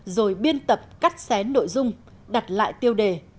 rồi biên tập cắt xén nội dung đặt lại tiêu đề